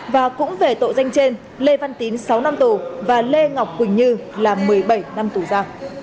và cũng về tội danh trên lê văn tín sáu năm tù và lê ngọc quỳnh như là một mươi bảy năm tù ra